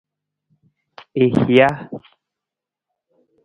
I hija.